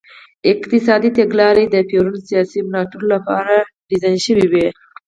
اقتصادي تګلارې د پېرون سیاسي ملاتړو لپاره ډیزاین شوې وې.